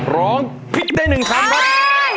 ร้องผิดได้๑คำครับ